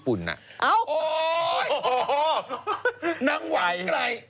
ปลาหมึกแท้เต่าทองอร่อยทั้งชนิดเส้นบดเต็มตัว